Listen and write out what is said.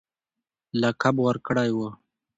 لقب ورکړی وو.